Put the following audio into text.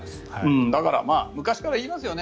だから、昔から言いますよね。